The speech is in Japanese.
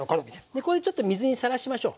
でこれでちょっと水にさらしましょう。